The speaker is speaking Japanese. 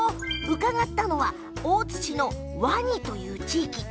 伺ったのは大津市の和邇という地域。